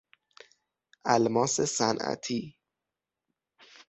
الماس صنعتی